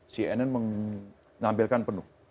cnn mengampilkan penuh